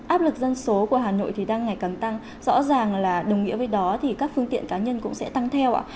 áp lực dân số của hà nội thì đang ngày càng tăng rõ ràng là đồng nghĩa với đó thì các phương tiện cá nhân cũng sẽ tăng theo ạ